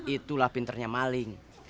itulah pinternya maling